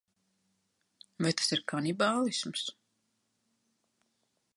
Vai tas ir kanibālisms?